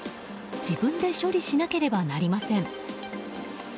自分で処理しなければなりません。